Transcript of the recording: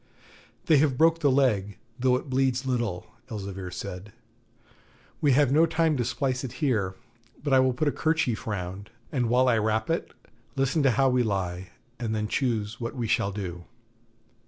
'They have broke the leg, though it bleeds little,' Elzevir said. 'We have no time to splice it here, but I will put a kerchief round, and while I wrap it, listen to how we lie, and then choose what we shall do.'